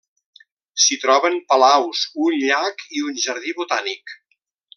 S'hi troben palaus, un llac i un jardí botànic.